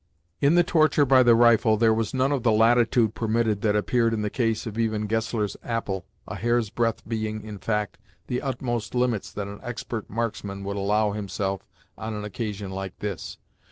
In the torture by the rifle there was none of the latitude permitted that appeared in the case of even Gessler's apple, a hair's breadth being, in fact, the utmost limits that an expert marksman would allow himself on an occasion like this.